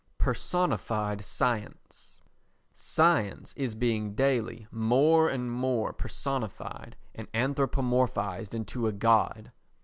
Personified Science Science is being daily more and more personified and anthropomorphised into a god.